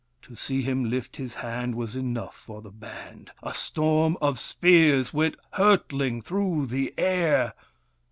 To see him lift his hand was enough for the band. A storm of spears went hurtling through the air.